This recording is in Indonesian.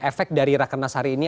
efek dari rakan nas hari ini